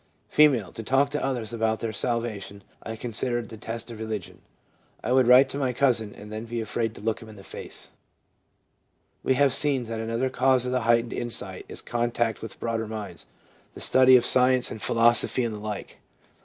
F. ' To talk to others about their salvation I con sidered the test of religion. I would write to my cousin and then be afraid to look him in the face/ We have seen that another cause of the heightened insight is contact with broader minds, the study of science and philosophy, and the like.